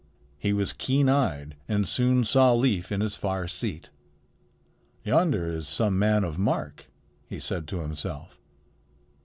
He was keen eyed and soon saw Leif in his far seat. "Yonder is some man of mark," he said to himself.